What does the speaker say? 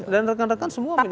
dan rekan rekan semua menaksikan